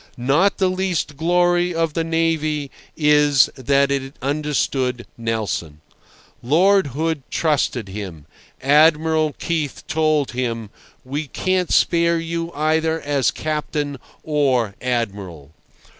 Not the least glory of the navy is that it understood Nelson. Lord Hood trusted him. Admiral Keith told him: "We can't spare you either as Captain or Admiral."